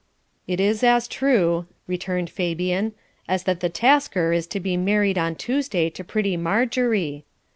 'It is as true,' returned Fabian, 'as that the Tasker is to be married on Tuesday to pretty Margery.